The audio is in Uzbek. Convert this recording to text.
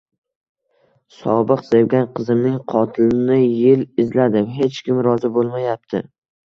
Sobiq sevgan qizimning qotilini yil izladim! Hech kim rozi bo'lmayapti...